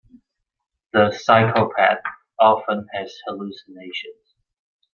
The psychopath often has hallucinations.